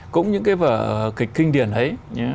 cũng những cái vở kịch kinh điển ấy